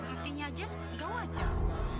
artinya aja gak wajar